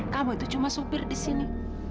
kamu tuh cuma sopir di sini